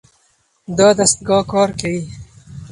دا دستګاه کار کوي.